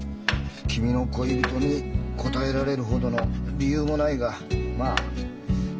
君の恋人に答えられるほどの理由もないがまあ逃げたんだな。